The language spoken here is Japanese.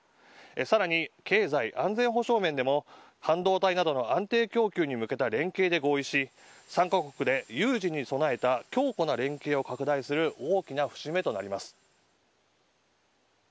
さらに経済安全保障面でも半導体などの安定供給に向けた連携で合意し３カ国で有事に備えた強固な連携を拡大する大きな節目となります。